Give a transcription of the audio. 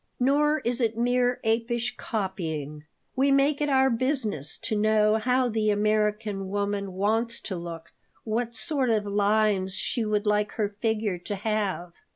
Nor is it mere apish copying. We make it our business to know how the American woman wants to look, what sort of lines she would like her figure to have.